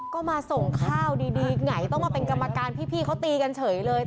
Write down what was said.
ก็มาส่งข้าวดีไงต้องมาเป็นกรรมการพี่เขาตีกันเฉยเลย